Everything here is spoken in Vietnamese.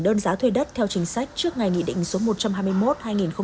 đơn giá thuê đất theo chính sách trước ngày nghị định số một trăm hai mươi một hai nghìn một mươi